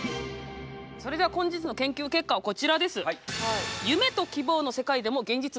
それでは本日の研究結果はこちらです。